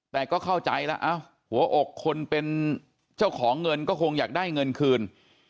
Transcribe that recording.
แต่ก็เข้าใจแล้วหัวอกคนเป็นเจ้าของเงินก็คงอยากได้เงินคืน